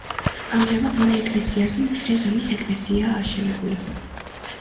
ამჟამად ნაეკლესიარზე მცირე ზომის ეკლესიაა აშენებული.